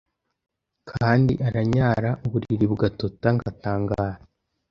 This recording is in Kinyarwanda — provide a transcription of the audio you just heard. kandi aranyara uburiri bugatota ngatangara